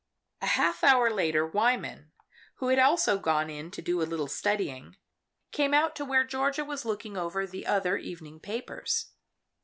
A half hour later Wyman, who had also gone in to do a little studying, came out to where Georgia was looking over the other evening papers.